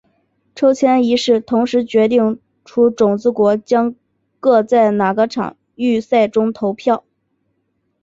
抽签仪式同时决定出种子国将各在哪场预赛中投票。